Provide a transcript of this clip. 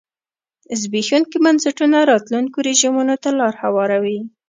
زبېښونکي بنسټونه راتلونکو رژیمونو ته لار هواروي.